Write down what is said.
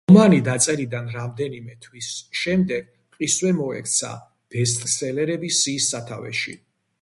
რომანი დაწერიდან რამდენიმე თვის შემდეგ მყისვე მოექცა ბესტსელერების სიის სათავეში.